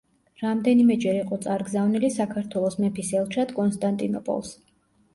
რამდენიმეჯერ იყო წარგზავნილი საქართველოს მეფის ელჩად კონსტანტინოპოლს.